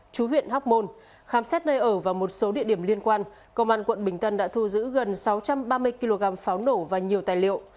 chú huyện hóc môn khám xét nơi ở và một số địa điểm liên quan công an quận bình tân đã thu giữ gần sáu trăm ba mươi kg pháo nổ và nhiều tài liệu